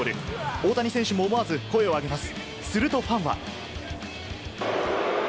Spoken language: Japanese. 大谷選手も思わず声をあげます。